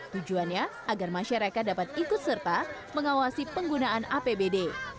tujuannya agar masyarakat dapat ikut serta mengawasi penggunaan apbd